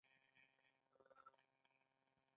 سوداګرو د توکو په تولید کې هیڅ رول نه درلود.